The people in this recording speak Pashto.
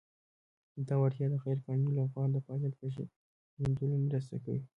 دا وړتیا د "غیر قانوني لوبغاړو د فعالیت" په پېژندلو کې مرسته کوي.